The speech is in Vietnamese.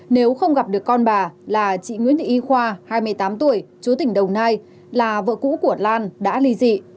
nếu không gặp được con bà là chị nguyễn thị y khoa hai mươi tám tuổi chú tỉnh đồng nai là vợ cũ của lan đã ly dị